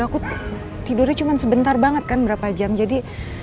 aku tidurnya cuma sebentar banget kan berapa jam jadi